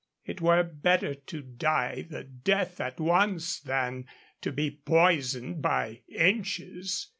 It were better to die the death at once than to be poisoned by inches.